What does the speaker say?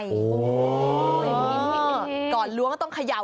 อย่างนี้